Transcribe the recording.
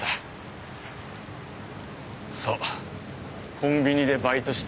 コンビニでバイトして。